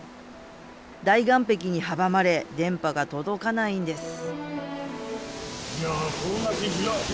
大岩壁に阻まれ電波が届かないんです。